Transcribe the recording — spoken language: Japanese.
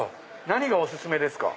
何がお薦めですか？